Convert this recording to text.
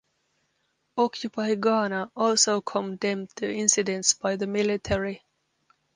Occupy Ghana also condemned the incidents by the military.